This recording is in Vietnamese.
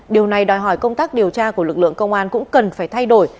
điều này đòi hỏi công tác điều tra của lực lượng công an cũng cần phải thay đổi